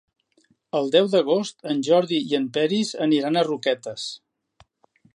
El deu d'agost en Jordi i en Peris aniran a Roquetes.